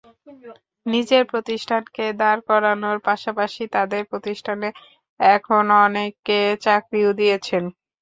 নিজের প্রতিষ্ঠানকে দাঁড় করানোর পাশাপাশি তাঁদের প্রতিষ্ঠানে এখন অনেককে চাকরিও দিয়েছেন।